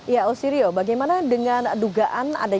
ya osirio bagaimana dengan dugaan adanya ketentuan